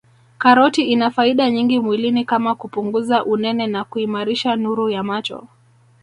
Karoti ina faida nyingi mwilini kama kupunguza unene na kuimarisha nuru ya macho